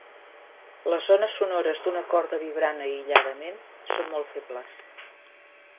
Les ones sonores d'una corda vibrant aïlladament són molt febles.